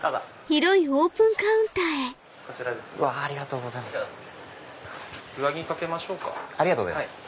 こちらです。